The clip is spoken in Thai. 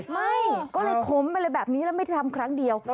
ไม่ก็เลยขมอะไรแบบนี้แล้วไม่ได้ทำครั้งเดียว